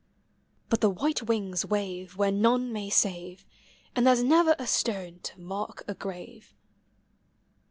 But the white wings wave Where none may save, And there's never a stone to mark a grave.